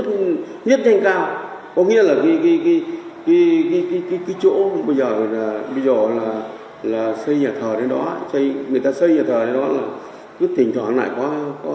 chất không nhiễm danh cao